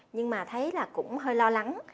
nhưng mà thấy là cũng hơi lo lắng